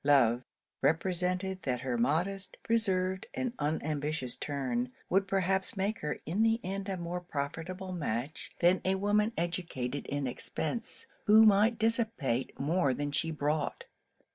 Love, represented that her modest, reserved, and unambitious turn, would perhaps make her, in the end, a more profitable match than a woman educated in expence, who might dissipate more than she brought.